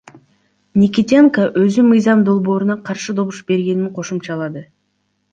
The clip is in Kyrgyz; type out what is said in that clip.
Никитенко өзү мыйзам долбооруна каршы добуш бергенин кошумчалады.